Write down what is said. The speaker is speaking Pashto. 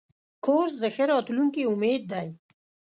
کورس د ښه راتلونکي امید دی.